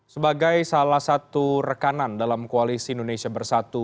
sebagai salah satu rekanan dalam koalisi indonesia bersatu